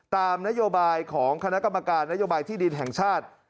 ตามนโยบายของคณะกรรมการนโยบายที่ดินแห่งชาติ